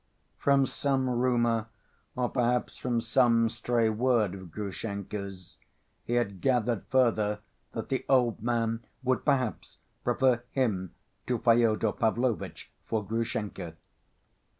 From some rumor, or perhaps from some stray word of Grushenka's, he had gathered further that the old man would perhaps prefer him to Fyodor Pavlovitch for Grushenka.